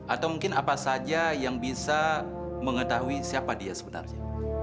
atau mungkin apa saja yang bisa mengetahui siapa dia sebenarnya